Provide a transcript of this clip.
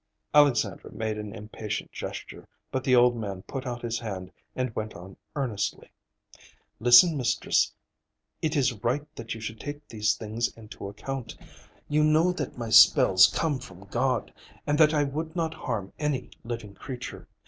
Alexandra made an impatient gesture, but the old man put out his hand and went on earnestly:— "Listen, mistress, it is right that you should take these things into account. You know that my spells come from God, and that I would not harm any living creature.